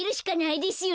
ですよね。